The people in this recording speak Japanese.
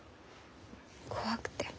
怖くて。